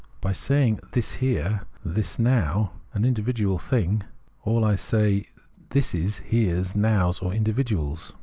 By saying " this Here," " this Now," " an individual thing," I say all Thises, Heres, Nows, or Individuals.